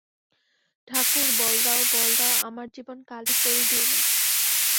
ঠাকুর, বল দাও, বল দাও, আমার জীবন কালি করে দিয়ো না।